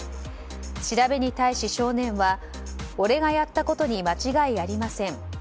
調べに対し、少年は俺がやったことに間違いありません。